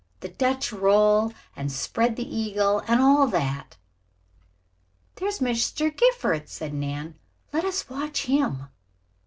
"The Dutch roll, and spread the eagle, and all that." "There is Mr. Gifford," said Nan. "Let us watch him."